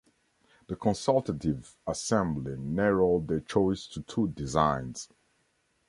The Consultative Assembly narrowed their choice to two designs.